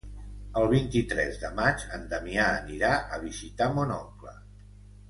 El vint-i-tres de maig en Damià anirà a visitar mon oncle.